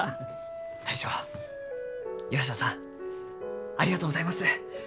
大将岩下さんありがとうございます。